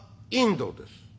「インドです」。